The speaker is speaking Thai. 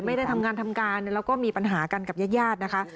ไม่ได้ทำงานทำการแล้วก็มีปัญหากันกับญาติญาตินะคะ